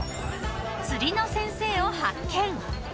［釣りの先生を発見］